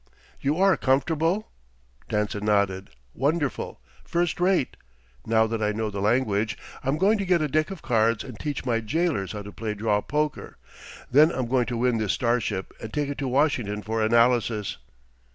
"You are comfortable?" Danson nodded. "Wonderful. First rate. Now that I know the language, I'm going to get a deck of cards and teach my jailers how to play draw poker. Then I'm going to win this starship and take it to Washington for analysis."